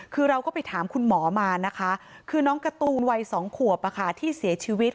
คือเราก็ไปถามคุณหมอมานะคะคือน้องการ์ตูนวัย๒ขวบที่เสียชีวิต